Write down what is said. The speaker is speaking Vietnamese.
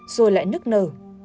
rồi lại nức nở